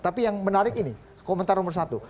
tapi yang menarik ini komentar nomor satu